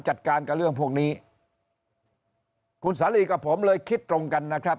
จัดการกับเรื่องพวกนี้คุณสาลีกับผมเลยคิดตรงกันนะครับ